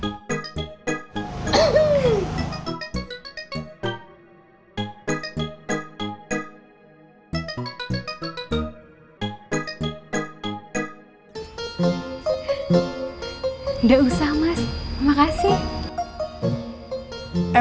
mbak jamunya kenapa ya